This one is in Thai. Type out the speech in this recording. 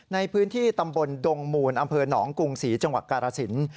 ในพื้นที่ตำบลดงมูลอำเภอหนองกรุงศรีจังหวัดกาลสิน